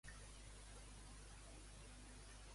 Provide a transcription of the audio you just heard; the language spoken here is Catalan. Què s'hauria basat en aquest ritu?